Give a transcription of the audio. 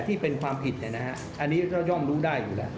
ที่เป็นความผิดอันนี้ก็ย่อมรู้ได้อยู่แล้ว